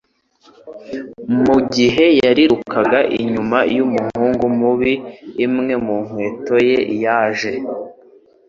Mu gihe yarirukaga inyuma y’umuhungu mubi imwe mu nkweto ye yaje